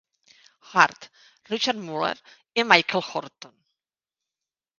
Hart, Richard muller, i Michael Horton.